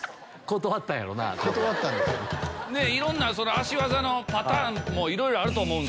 足技のパターンもいろいろあると思う。